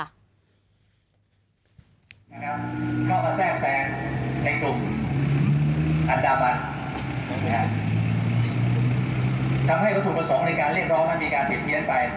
นะครับนะครับหรือไม่ซึ่งค่ะ